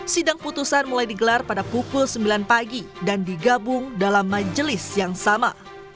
sidang putusan mulai digelar pada pukul sembilan pagi dan digabung dalam majelis yang sama